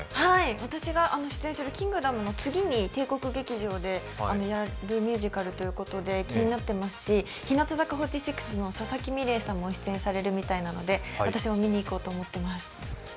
私が出演している「キングダム」の次に帝国劇場でやるミュージカルということで気になってますし、日向坂４６の佐々木美玲さんも出演されるみたいなので、出演されるみたいなので私も見に行こうと思ってます。